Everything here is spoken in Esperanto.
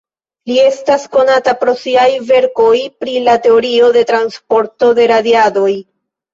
Li estas konata pro siaj verkoj pri la teorio de transporto de radiadoj.